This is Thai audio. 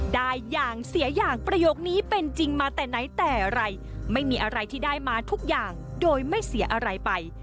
ได้อย่างเสียอย่างประโยคนี้เป็นจริงมาแต่ไหนแต่ไรไม่มีอะไรที่ได้มาทุกอย่างโดยไม่เสียอะไรไป